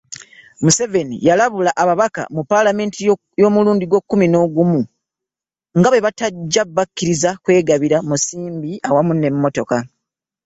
Museveni yalabula ababaka mu Paalamenti y’omulundi ogw’ekkumi n’ogumu nga bw’atajja bakkiriza kwegabira musimbi awamu n’emmotoka.